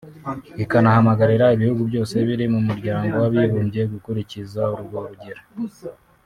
ikanahamagarira ibihugu byose biri mu Muryango w’Abibumbye gukurikiza urwo rugero